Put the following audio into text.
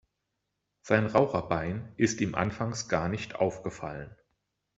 Sein Raucherbein ist ihm anfangs gar nicht aufgefallen.